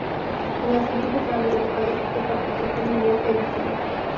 En la siguiente tabla los países que participan en esta edición.